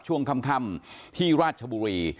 ช่วงค่ำที่ราชบุรี